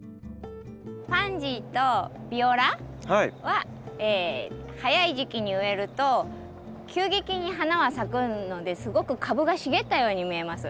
パンジーとビオラは早い時期に植えると急激に花は咲くのですごく株が茂ったように見えます。